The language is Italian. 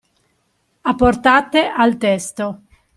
Apportate al testo.